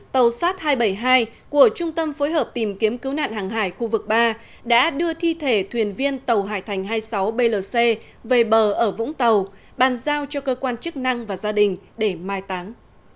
tàu sit hai trăm bảy mươi hai của trung tâm phối hợp tìm kiếm cứu nạn hàng hải khu vực ba đã đưa thi thể thuyền viên tàu hải thành hai mươi sáu blc về bờ ở vũng tàu bàn giao cho cơ quan chức năng và gia đình để mai táng